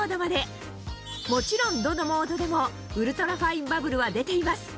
もちろんどのモードでもウルトラファインバブルは出ています